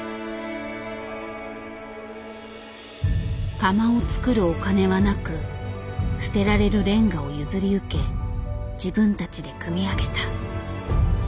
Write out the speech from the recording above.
窯を作るお金はなく捨てられるレンガを譲り受け自分たちで組み上げた。